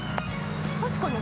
◆確かに。